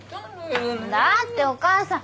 だってお母さん。